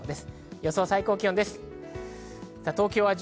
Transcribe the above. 予想最高気温です。